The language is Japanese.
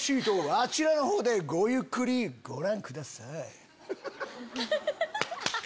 あちらのほうでごゆっくりご覧ください。